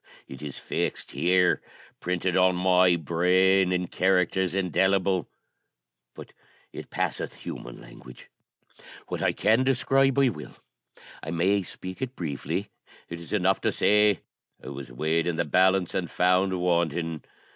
It is fixed here; printed on my brain in characters indelible; but it passeth human language. What I can describe I will I may speak it briefly. It is enough to say, I was weighed in the balance, and found wanting.